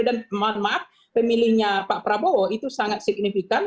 dan maaf maaf pemilihnya pak prabowo itu sangat signifikan